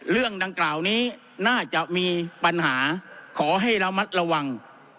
เรื่องดังกล่าวนี้น่าจะมีปัญหาขอให้ระมัดระวัง